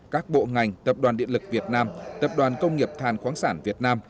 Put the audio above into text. các bộ ngành tập đoàn điện lực việt nam tập đoàn công nghiệp than khoáng sản việt nam